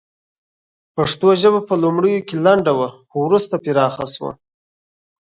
پښتو ژبه په لومړیو کې لنډه وه خو وروسته پراخه شوه